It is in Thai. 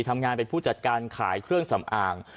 ทำงานเป็นผู้จัดการขายเครื่องสำอาง